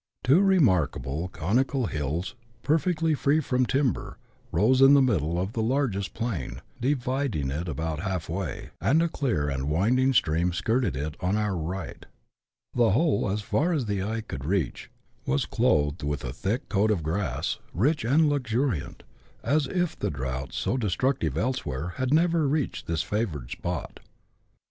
Two remarkable conical hills, perfectly free from timber, rose in the middle of the largest plain, dividing it about halfway, and a clear and winding stream skirted it on our right. The whole, as far as the eye could reach, was clothed with a thick coat of grass, rich and luxuriant, as if the drought, so destructive elsewhere, had never reached this favoured spot.